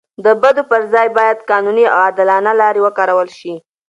د بدو پر ځای باید قانوني او عادلانه لارې وکارول سي.